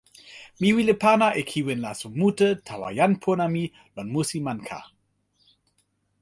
mi wile pana e kiwen laso mute tawa jan pona mi lon musi Manka.